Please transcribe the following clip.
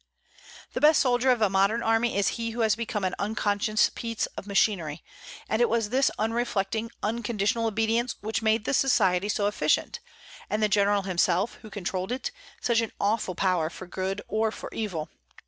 The best soldier of a modern army is he who has become an unconscious piece of machinery; and it was this unreflecting, unconditional obedience which made the Society so efficient, and the General himself, who controlled it, such an awful power for good or for evil.